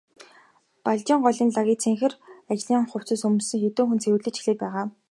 Балжийн голын лагийг цэнхэр ажлын хувцас өмссөн хэдэн хүн цэвэрлэж эхлээд байгаа.